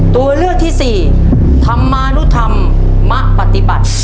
ตัวเลือกที่สี่ธรรมานุธรรมปฏิบัติ